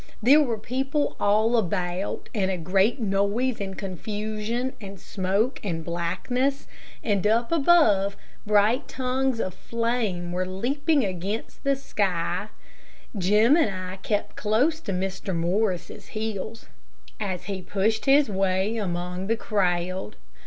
There were people all about, and a great noise and confusion, and smoke and blackness, and up above, bright tongues of flame were leaping against the sky, Jim and I kept close to Mr. Morris's heels, as he pushed his way among the crowd.